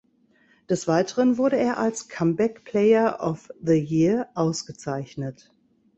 Des Weiteren wurde er als Comeback Player of the Year ausgezeichnet.